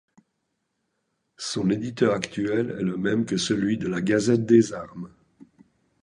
Son éditeur actuel est le même que celui de la Gazette des armes.